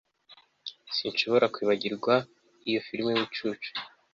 Sinshobora kwibagirwa iyo firime yubucucu